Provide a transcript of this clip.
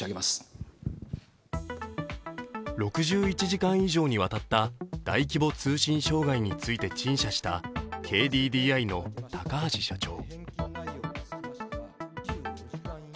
６１時間以上にわたった大規模通信障害について陳謝したＫＤＤＩの高橋社長。